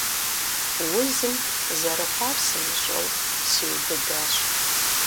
Узым, зэрыхъуар сымыщӀэу, сиубыдащ.